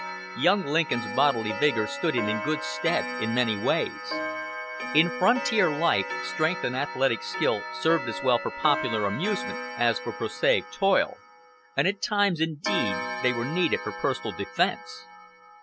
Young Lincoln's bodily vigor stood him in good stead in many ways. In frontier life strength and athletic skill served as well for popular amusement as for prosaic toil, and at times, indeed, they were needed for personal defence.